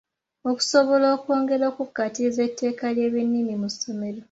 Okusobola okwongera okukkatiriza etteeka ly'ebyennimi mu masomero.